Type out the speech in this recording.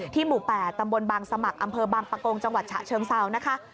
หมู่๘ตำบลบางสมัครอำเภอบางปะโกงจังหวัดฉะเชิงเซานะคะ